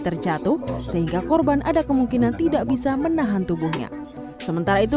terjatuh sehingga korban ada kemungkinan tidak bisa menahan tubuhnya sementara itu